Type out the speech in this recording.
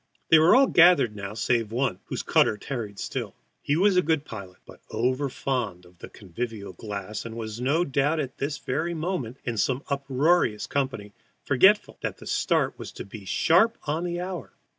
They were all gathered now save one, whose cutter tarried still. He was a good pilot, but overfond of the convivial glass, and was no doubt this very moment in some uproarious company, forgetful that the start was to be sharp on the hour.